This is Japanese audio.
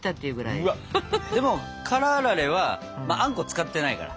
でも辛あられはあんこ使ってないから。